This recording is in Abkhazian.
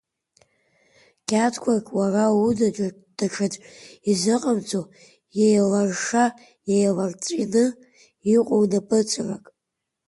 Кьаадқәак, уара уда даҽаӡә изыҟамҵо иеиларша-еиларҵәины иҟоу напынҵарак…